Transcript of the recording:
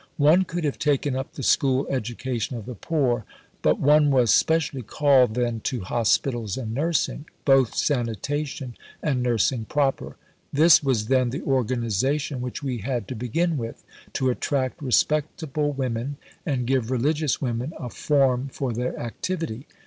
One could have taken up the school education of the poor, but one was specially called then to hospitals and nursing both sanitation and nursing proper.) This was then the 'organization' which we had to begin with, to attract respectable women and give religious women a 'form' for their activity....